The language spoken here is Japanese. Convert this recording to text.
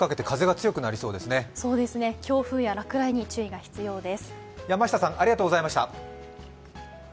強風や落雷に注意が必要です。